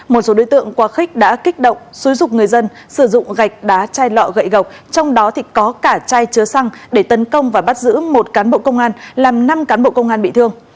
một số đối tượng qua khích đã kích động xúi dục người dân sử dụng gạch đá chai lọ gậy gọc trong đó có cả chai chứa xăng để tấn công và bắt giữ một cán bộ công an làm năm cán bộ công an bị thương